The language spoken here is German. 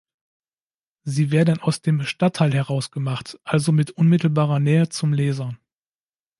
Sie werden aus dem Stadtteil heraus gemacht, also mit unmittelbarer Nähe zum Leser.